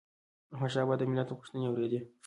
احمدشاه بابا به د ملت غوښتنې اوريدي